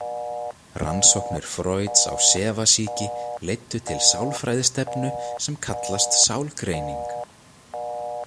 Rannsóknir Frojds á sefasýki leiddu til sálfræðistefnu sem kallast sálgreining.